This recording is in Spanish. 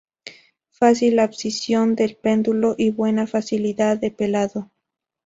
Fácil abscisión de pedúnculo y buena facilidad de pelado.